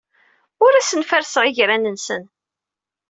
Ur asen-ferrseɣ igran-nsen.